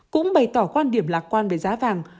cũng bày tỏ quan điểm lạc quan về giá vàng